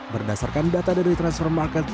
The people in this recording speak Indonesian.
berdasarkan data dari transfer market